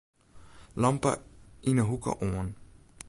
Lampe yn 'e hoeke oan.